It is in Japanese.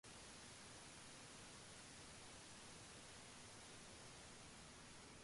この丘からは何百万という星が見える。